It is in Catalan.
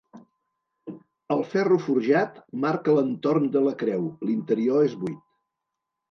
El ferro forjat marca l'entorn de la creu, l'interior és buit.